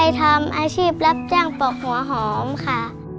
ทำอาชีพรับจ้างปอกหัวหอมค่ะ